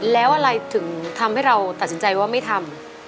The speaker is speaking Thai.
แล้วอะไรถึงทำให้เราตัดสินใจว่าไม่ทำ